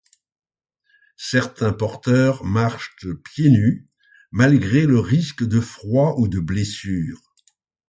Certains porteurs marchent pieds nus malgré le risque de froid ou de blessure.